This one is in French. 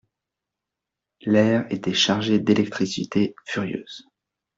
L'air était chargé d'électricité furieuse.